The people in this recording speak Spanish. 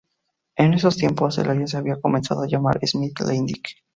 En esos tiempos, el área se había comenzado a llamar Smith´s Landing.